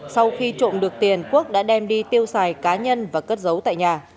sau khi trộm được tiền quốc đã đem đi tiêu xài cá nhân và cất giấu tại nhà